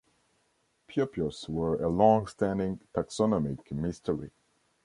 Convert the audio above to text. Piopios were a long-standing taxonomic mystery.